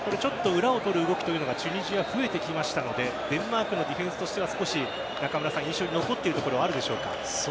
裏を取る動きというのがチュニジア、増えてきましたのでデンマークのディフェンスとしては少し印象に残っているところはあるでしょうか？